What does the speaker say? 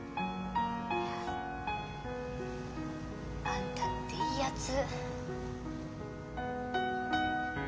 あんたっていいやつ。